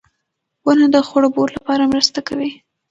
• ونه د خړوبولو لپاره مرسته کوي.